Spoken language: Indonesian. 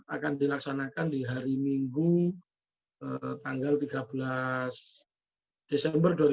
akan dilaksanakan di hari minggu tanggal tiga belas desember dua ribu dua puluh